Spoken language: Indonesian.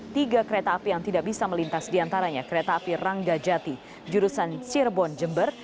tiga kereta api yang tidak bisa melintas di antaranya kereta api ranggajati jurusan sirbon jember